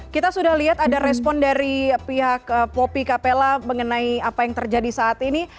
kita sudah lihat ada respon dari pihak popi capella mengenai apa yang terjadi saat ini